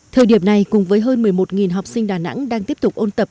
thời điểm này cùng với hơn một mươi một học sinh đà nẵng đang tiếp tục ôn tập